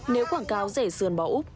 nếu quảng cáo rẻ sườn bảo úc